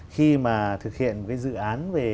khi mà thực hiện cái dự án